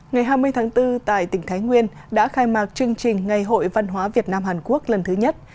ngày hai mươi tháng bốn tại tỉnh thái nguyên đã khai mạc chương trình ngày hội văn hóa việt nam hàn quốc lần thứ nhất